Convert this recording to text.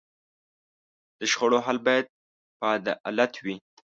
د شخړو حل باید په عدالت وي.